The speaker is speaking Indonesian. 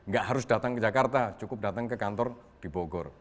gak harus datang ke jakarta cukup datang ke kantor di bogor